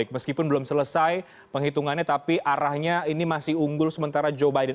meskipun belum selesai penghitungannya tapi arahnya ini masih unggul sementara joe biden